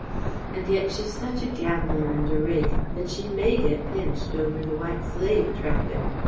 And yet she's such a gambler and a rake that she may get pinched over the White Slave traffic....